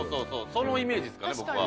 そのイメージですかね、僕は。